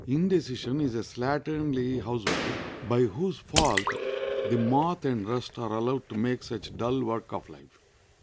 Indecision is a slatternly housewife, by whose fault the moth and rust are allowed to make such dull work of life.